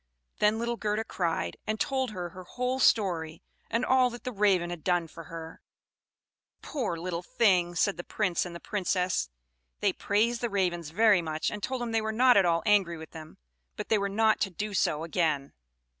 Then little Gerda cried, and told her her whole history, and all that the Ravens had done for her. "Poor little thing!" said the Prince and the Princess. They praised the Ravens very much, and told them they were not at all angry with them, but they were not to do so again.